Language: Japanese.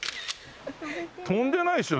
飛んでないですよ